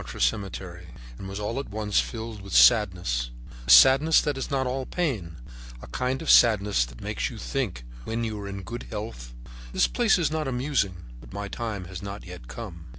"Well, there I was in Montmartre Cemetery, and was all at once filled with sadness, a sadness that is not all pain, a kind of sadness that makes you think when you are in good health, 'This place is not amusing, but my time has not come yet.'